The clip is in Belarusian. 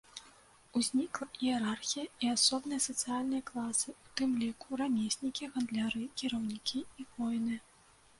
Узнікла іерархія і асобныя сацыяльныя класы, у тым ліку рамеснікі, гандляры, кіраўнікі і воіны.